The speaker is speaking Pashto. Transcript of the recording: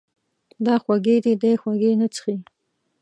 دا خوږې دي، دی خوږې نه څښي.